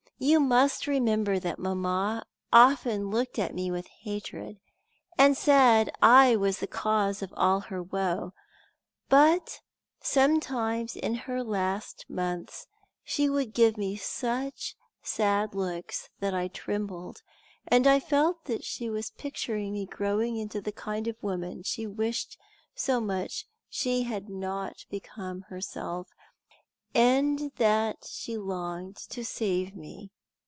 "You must remember that mamma often looked at me with hatred, and said I was the cause of all her woe; but sometimes in her last months she would give me such sad looks that I trembled, and I felt that she was picturing me growing into the kind of woman she wished so much she had not become herself, and that she longed to save me.